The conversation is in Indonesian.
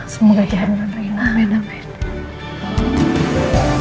semoga dia benar benar rina